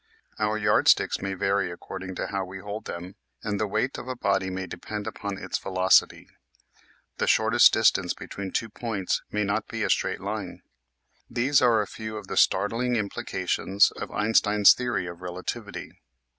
Our yardsticks may vary according to how we hold them and the weight of a body may depend upon its velocity. The shortest distance between two points may not be a straight line. These are a few of the startling im plications of Einstein's theory of relativity.